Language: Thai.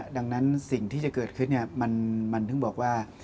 ดังนั้นสิ่งที่จะเกิดขึ้นมันถึงบอกว่า